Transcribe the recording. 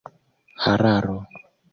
hararo